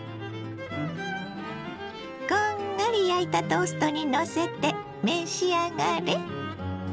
こんがり焼いたトーストにのせて召し上がれ。